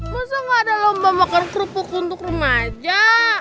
masa gak ada lomba makan kerupuk untuk remaja